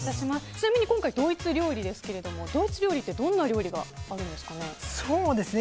ちなみに今回ドイツ料理ですけどドイツ料理ってどんな料理があるんですかね。